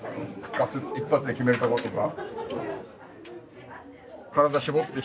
一発で決めるとことか。